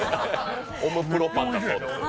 オムプロパンだそうです。